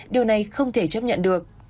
điều này không thể chấp nhận được